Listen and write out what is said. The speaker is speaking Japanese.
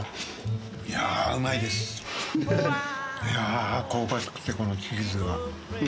いや香ばしくてこのチーズが。